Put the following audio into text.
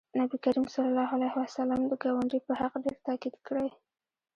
نبي کریم صلی الله علیه وسلم د ګاونډي په حق ډېر تاکید کړی